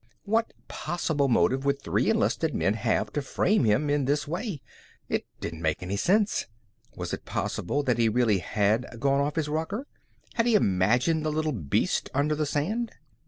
What possible motive would three enlisted men have to frame him in this way? It didn't make any sense. Was it possible that he really had gone off his rocker? Had he imagined the little beast under the sand?